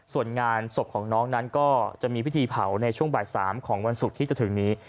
ส่วนงานศพของน้องนั้นก็จะมีพิธีเผาในช่วงบ่าย๓ของวันศุกร์ที่จะถึงนี้